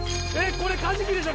これ、カジキでしょ？